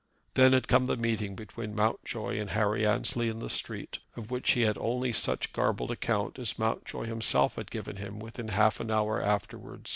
Then had come the meeting between Mountjoy and Harry Annesley in the street, of which he had only such garbled account as Mountjoy himself had given him within half an hour afterward.